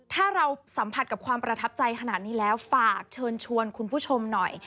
ถ้าเราสัมผัสกับความประทับใจขนาดนี้แล้วฝากเชิญชวนคุณผู้ชมหน่อย